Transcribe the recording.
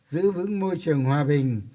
giữ vững môi trường hòa bình